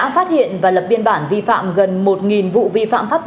và truy tìm bảy đối tượng khác